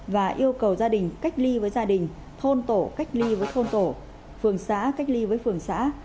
và yêu cầu gia đình cách ly với gia đình thôn tổ cách ly với thôn tổ phường xã cách ly với phường xã